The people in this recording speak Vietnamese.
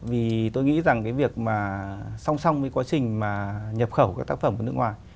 vì tôi nghĩ rằng cái việc mà song song với quá trình mà nhập khẩu các tác phẩm của nước ngoài